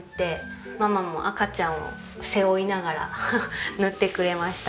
ママも赤ちゃんを背負いながら塗ってくれました。